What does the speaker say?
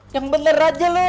yang bener aja lo